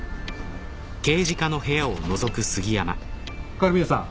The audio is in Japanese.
狩宮さん